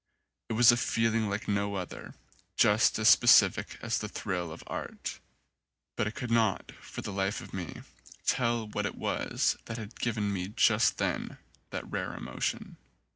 It was a feeling like no other, just as specific as the thrill of art; but I could not for the life of me tell what it was that had given me just then that rare emotion.